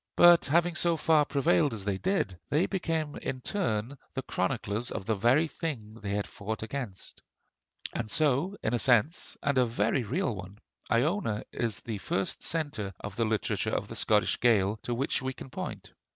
But having so far prevailed as they did, they became in turn the chroniclers of the very things they had fought against. So in a sense, and a very real one, Iona is the first centre of the literature of the Scots Gaels to which we can point.